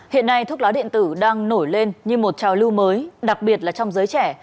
tình hình tình tử đang nổi lên như một trào lưu mới đặc biệt là trong giới trẻ